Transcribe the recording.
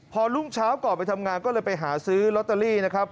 พอรุ่งเช้าก่อนไปทำงานก็เลยไปหาซื้อลอตเตอรี่นะครับ